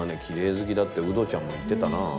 きれい好きだってウドちゃんも言ってたな。